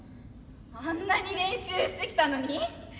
あんなに練習してきたのに？